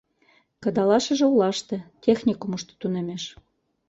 Кыдалашыже олаште, техникумышто, тунемеш.